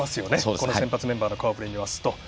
この先発メンバーの顔ぶれを見ますと。